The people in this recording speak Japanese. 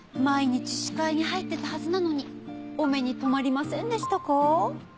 毎日視界に入ってたはずなのにお目にとまりませんでしたか？